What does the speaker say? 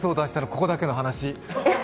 ここだけの話。